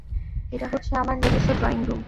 এটা হচ্ছে আমার নিজস্ব ড্রয়িং রুম।